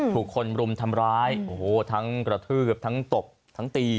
ถูกคนรุมทำร้ายโอ้โหทั้งกระทืบทั้งตบทั้งตี